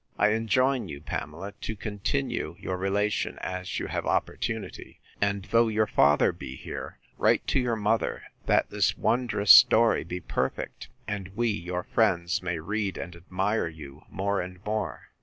I enjoin you, Pamela, to continue your relation, as you have opportunity; and though your father be here, write to your mother, that this wondrous story be perfect, and we, your friends, may read and admire you more and more.